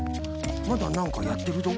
まだなんかやってるぞ。